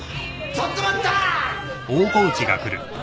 ちょっと待った！